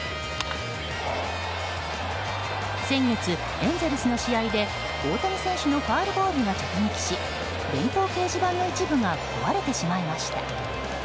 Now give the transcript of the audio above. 先月、エンゼルスの試合で大谷選手のファウルボールが直撃し電光掲示板の一部が壊れてしまいました。